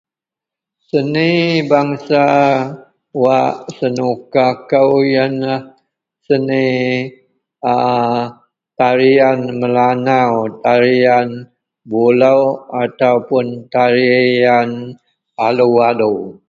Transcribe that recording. seni bangsa wak senuka kou ienlah seni a tarian Melanau tarian bulok ataupun tarian alu-alu